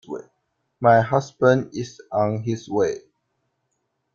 My husband is on his way.